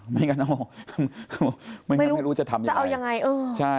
ไม่รู้จะทำยังไงใช่